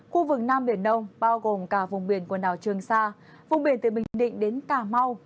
khu vực nam biển đông bao gồm cả vùng biển quần đảo trường sa vùng biển từ bình định đến cà mau